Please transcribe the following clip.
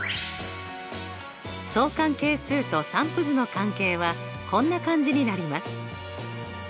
相関係数と散布図の関係はこんな感じになります。